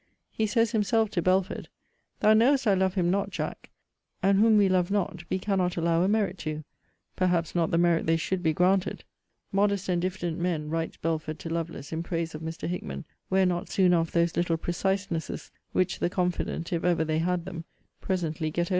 He says himself to Belford,* 'Thou knowest I love him not, Jack; and whom we love not, we cannot allow a merit to; perhaps not the merit they should be granted.' 'Modest and diffident men,' writes Belford, to Lovelace, in praise of Mr. Hickman, 'wear not soon off those little precisenesses, which the confident, if ever they had them, presently get over.'